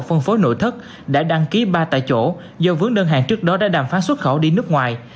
phân phối nội thất đã đăng ký ba tại chỗ do vướng đơn hàng trước đó đã đàm phán xuất khẩu đi nước ngoài